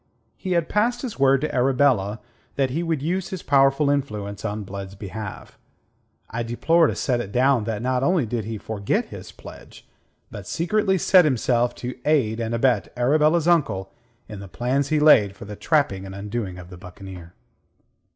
He had passed his word to Arabella that he would use his powerful influence on Blood's behalf. I deplore to set it down that not only did he forget his pledge, but secretly set himself to aid and abet Arabella's uncle in the plans he laid for the trapping and undoing of the buccaneer.